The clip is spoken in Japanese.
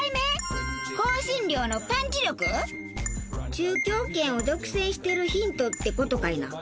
中京圏を独占してるヒントって事かいな。